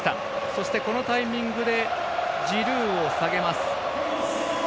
そして、このタイミングでジルーを下げます。